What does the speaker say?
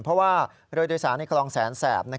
เพราะว่าเรือโดยสารในคลองแสนแสบ